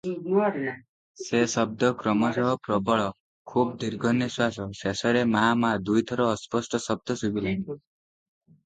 ସେ ଶବ୍ଦ କ୍ରମଶଃ ପ୍ରବଳ, ଖୁବ ଦୀର୍ଘନିଶ୍ୱାସ, ଶେଷରେ ମା’ ମା’ ଦୁଇଥର ଅସ୍ପଷ୍ଟ ଶବ୍ଦ ଶୁଭିଲା ।